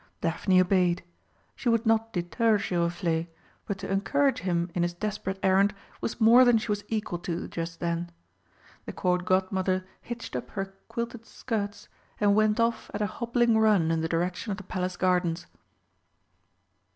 Daphne obeyed. She would not deter Giroflé, but to encourage him in his desperate errand was more than she was equal to just then. The Court Godmother hitched up her quilted skirts, and went off at a hobbling run in the direction of the Palace Gardens.